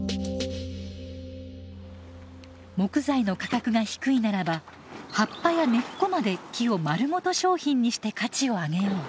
木材の価格が低いならば葉っぱや根っこまで木をまるごと商品にして価値を上げよう。